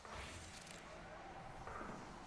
বাবার অসুখের কথা বলতে-বলতে ছেলের চোখে দেখি পানি।